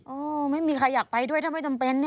โอ้ไม่มีใครอยากไปด้วยถ้าไม่จำเป็นเนี่ย